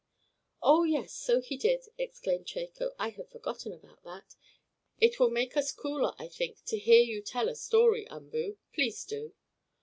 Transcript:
"Oh, yes, so he did!" exclaimed Chako. "I had forgotten about that. It will make us cooler, I think, to hear you tell a story, Umboo. Please do!"